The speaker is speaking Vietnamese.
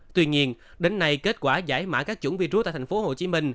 tuy nhiên đến nay kết quả giải mã các chủng virus tại tp hcm